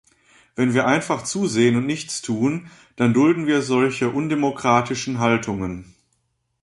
Wenn wir einfach zusehen und nichts tun, dann dulden wir solche undemokratischen Haltungen.